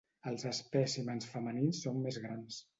Els espècimens femenins són més grans.